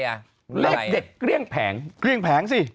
เรียกเด็กเครียงแผงเครียงแผงสิ